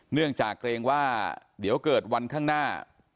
เนื่องจากเกรงว่าเดี๋ยวเกิดวันข้างหน้า